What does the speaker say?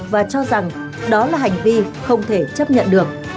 và cho rằng đó là hành vi không thể chấp nhận được